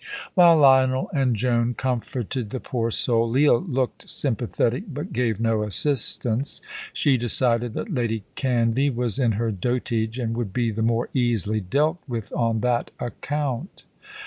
While Lionel and Joan comforted the poor soul, Leah looked sympathetic but gave no assistance. She decided that Lady Canvey was in her dotage, and would be the more easily dealt with on that account.